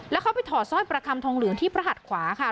แล้วเขาไปถอดสร้อยประคำทองเหลืองที่พระหัดขวาค่ะ